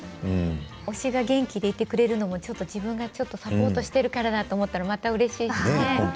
推しが元気でいてくれるのも自分がサポートしているからだと思うと、またうれしいしね。